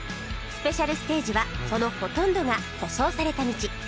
スペシャルステージはそのほとんどが舗装された道